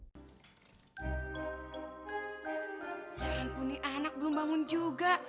ampuni anak belum bangun juga